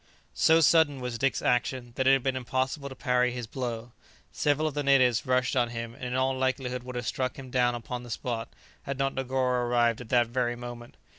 So sudden was Dick's action that it had been impossible to parry his blow. Several of the natives rushed on him, and in all likelihood would have struck him down upon the spot had not Negoro arrived at that very moment.